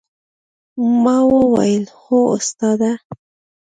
ما وويل هو استاده!